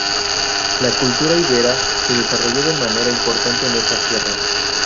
La cultura íbera se desarrolló de manera importante en estas tierras.